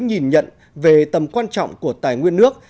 nhìn nhận về tầm quan trọng của tài nguyên nước